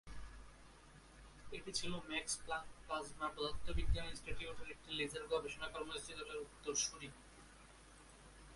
এটি ছিল Max Planck plasma পদার্থবিজ্ঞান ইনস্টিটিউট-এর একটি লেজার গবেষণা কর্মসূচী দলের উত্তরসূরি।